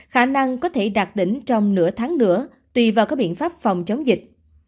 khả năng có thể đạt đỉnh trong nửa tháng nữa tùy vào các biện pháp phòng chống dịch